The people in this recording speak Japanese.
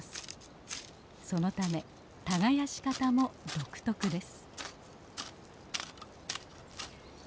そのため耕し方も独特です。